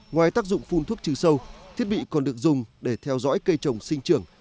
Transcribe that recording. ngoài tác dụng phun thuốc trừ sâu thiết bị còn được dùng để theo dõi cây trồng sinh trưởng